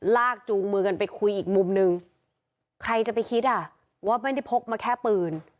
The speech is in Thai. จูงมือกันไปคุยอีกมุมนึงใครจะไปคิดอ่ะว่าไม่ได้พกมาแค่ปืน